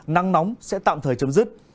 nắng nóng sẽ tạm thời chấm dứt